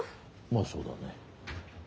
まあそうだね。